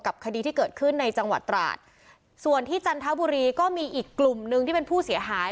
คดีที่เกิดขึ้นในจังหวัดตราดส่วนที่จันทบุรีก็มีอีกกลุ่มหนึ่งที่เป็นผู้เสียหาย